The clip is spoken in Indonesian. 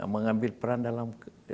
mengambil peran dalam